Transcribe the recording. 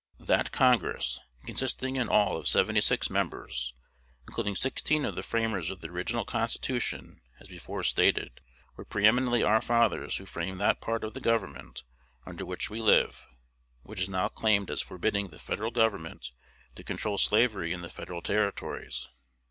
That Congress, consisting in all of seventy six members, including sixteen of the framers of the original Constitution, as before stated, were preeminently our fathers who framed that part of the government under which we live, which is now claimed as forbidding the Federal Government to control slavery in the Federal Territories.